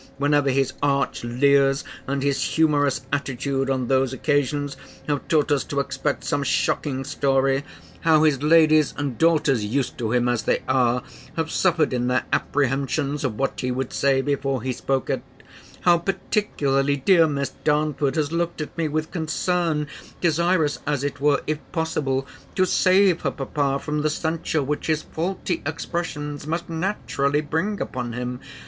whenever his arch leers, and his humourous attitude on those occasions, have taught us to expect some shocking story, how his lady and daughters (used to him as they are), have suffered in their apprehensions of what he would say, before he spoke it: how, particularly, dear Miss Darnford has looked at me with concern, desirous, as it were, if possible, to save her papa from the censure, which his faulty expressions must naturally bring upon him.